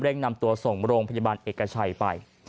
เร่งนำตัวส่งโรงพจบันเอกชัยไป